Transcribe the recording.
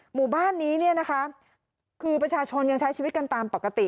หมู่บ้านนี้คือประชาชนยังใช้ชีวิตกันตามปกติ